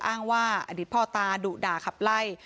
อ้างว่าอดีตพ่อตาดุด่าขับไล่